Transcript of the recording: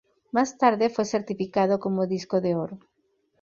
Más tarde fue certificado como disco de oro.